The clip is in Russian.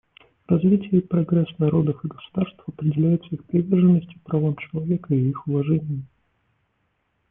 Развитие и прогресс народов и государств определяются их приверженностью правам человека и их уважением.